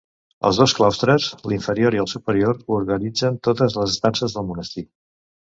Els dos claustres, l'inferior i el superior, organitzen totes les estances del monestir.